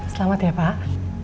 selamat ya pak